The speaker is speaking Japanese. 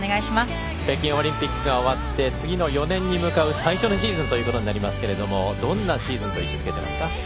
北京オリンピックが終わって次の４年に向かう最初のシーズンとなりますけどもどんなシーズンと位置づけていますか？